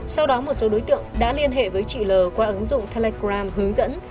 sau đó một số đối tượng đã liên hệ với chị l qua ứng dụng telegram hướng dẫn